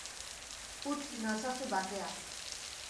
Utz nazazu bakean.